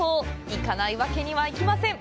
行かないわけにはいきません！